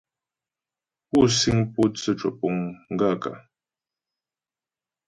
Pú síŋ pótsə́ cwə̀pùŋ m gaə̂ kə́ ?